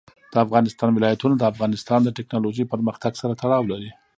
د افغانستان ولايتونه د افغانستان د تکنالوژۍ پرمختګ سره تړاو لري.